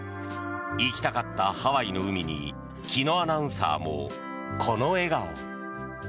行きたかったハワイの海に紀アナウンサーもこの笑顔。